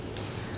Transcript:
saya mau ke rumah